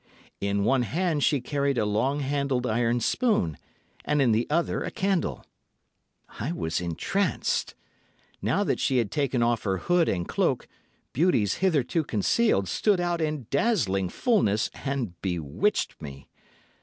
In one hand she carried a long handled iron spoon, and in the other a candle. I was entranced. Now that she had taken off her hood and cloak, beauties hitherto concealed stood out in dazzling fulness and bewitched me.